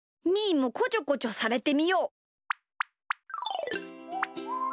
ーもこちょこちょされてみよう。